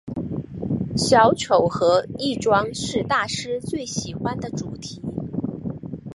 小丑和易装是大师最喜欢的主题。